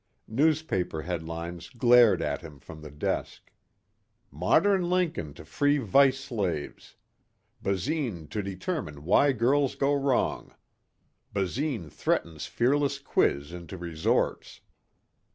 Newspaper headlines glared at him from the desk "Modern Lincoln to Free Vice Slaves." "Basine to Determine Why Girls Go Wrong." "Basine Threatens Fearless Quiz Into Resorts."